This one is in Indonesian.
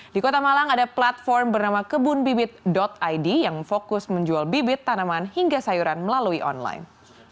di kota malang ada platform bernama kebunbibit id yang fokus menjual bibit tanaman hingga sayuran melalui online